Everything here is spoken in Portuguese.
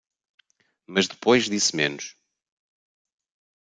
Mas depois disse menos